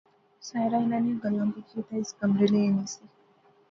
ساحرہ انیں نیاں گلاں بجی تے اس کمرے لے اینی سی